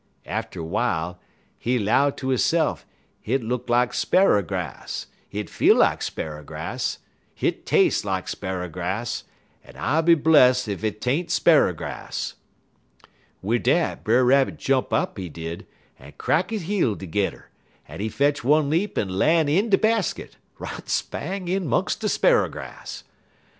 Atter w'ile, he 'low ter hisse'f, 'Hit look lak sparrer grass, hit feel lak sparrer grass, hit tas'e lak sparrer grass, en I be bless ef 't ain't sparrer grass.' "Wid dat Brer Rabbit jump up, he did, en crack he heel tergedder, en he fetch one leap en lan' in de basket, right spang in 'mungs de sparrer grass.